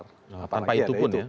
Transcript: tanpa itu pun ya